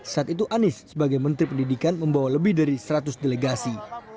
saat itu anies sebagai menteri pendidikan membawa lebih dari seratus delegasi